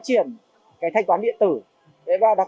cho việc thanh toán không tiền mặt